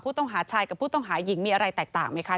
ชายกับผู้ต้องหาหญิงมีอะไรแตกต่างไหมคะ